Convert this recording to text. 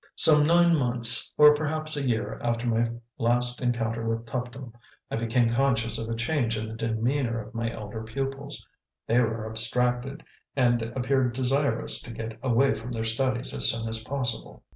Some nine months, or perhaps a year, after my last encounter with Tuptim, I became conscious of a change in the demeanor of my elder pupils; they were abstracted, and appeared desirous to get away from their studies as soon as possible.